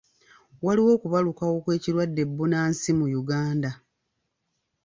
Waliwo okubalukawo kw'ekirwadde bbunansi mu Uganda.